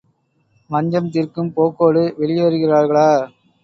வஞ்சம் தீர்க்கும் போக்கோடு வெளியேறுகிறார்களா?